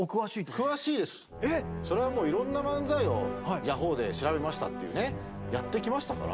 それはもういろんな漫才を「ヤホー」で調べましたっていうねやってきましたから。